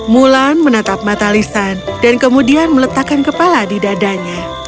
mulan menatap mata lisan dan kemudian meletakkan kepala di dadanya